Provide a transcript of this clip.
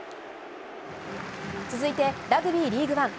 続いてラグビーリーグワン。